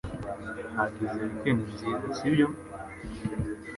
Wagize weekend nziza, sibyo?